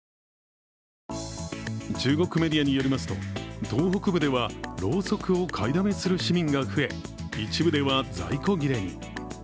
中国メディアによりますと、東北部ではろうそくを買いだめする市民が増え一部では在庫切れに。